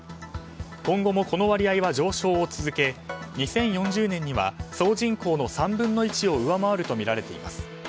今後もこの割合は上昇を続け２０４０年には総人口の３分の１を上回るとみられています。